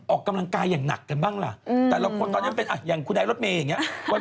ออกกำลังกายอย่างหนักกันบ้างล่ะแต่ละคนตอนนี้มันเป็นอ่ะอย่างคุณไอรถเมย์อย่างนี้